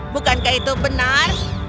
bukankah itu benar